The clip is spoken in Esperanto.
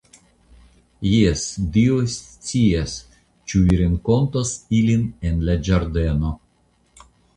Jes, Dio scias ĉu vi renkontos ilin en la ĝardeno.